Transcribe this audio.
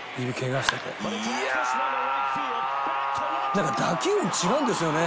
「なんか打球音違うんですよね